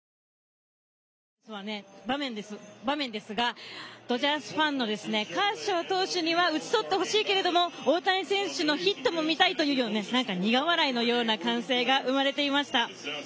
１回に大谷選手がヒットを打った場面ですがドジャースファンのカーショー投手には打ち取ってほしいけれども大谷選手のヒットも見たいという苦笑いのような歓声が生まれていました。